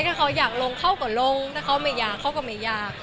ถ้าเขาอยากลงเขาก็ลงถ้าเขาไม่อยากเขาก็ไม่อยาก